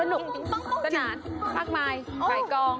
ต้องจึงขนาดมากมายฝ่ายกล่อง